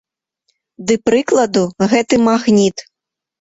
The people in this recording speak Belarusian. Ды прыкладу, гэты магніт.